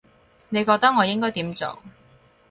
你覺得我應該點做